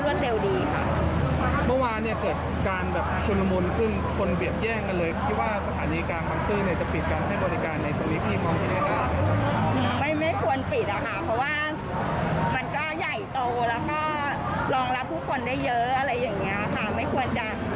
ไม่ควรจะควรทางที่ที่ควรลงทะเบียน